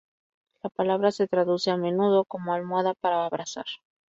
La palabra se traduce a menudo como "almohada para abrazar".